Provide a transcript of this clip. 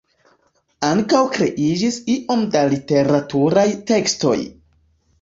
Ankaŭ kreiĝis iom da literaturaj tekstoj.